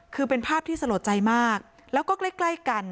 คือเป็นภาพที่สลดใจมากแล้วก็ใกล้ใกล้กัน